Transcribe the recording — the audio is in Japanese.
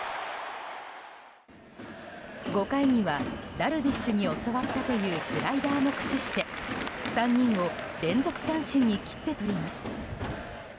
５回にはダルビッシュに教わったというスライダーも駆使して３人を連続三振に切って取ります。